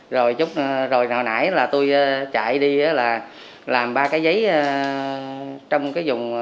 rồi hồi nãy là tôi chạy đi là làm ba cái giấy trong cái vùng